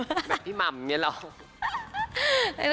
แบบพี่หม่ำอย่างนี้หรอ